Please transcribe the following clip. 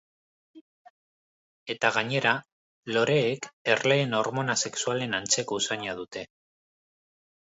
Eta, gainera, loreek erleen hormona sexualen antzeko usaina dute.